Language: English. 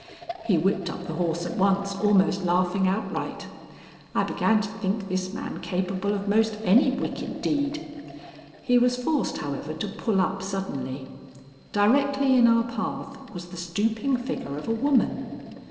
He whipped up the horse at once, almost laughing outright. I began to think this man capable of most any wicked deed. He was forced, however, to pull up suddenly. Directly in our path was the stooping figure of a woman.